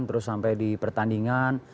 terus sampai di pertandingan